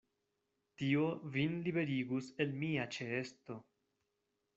Tio vin liberigus el mia ĉeesto.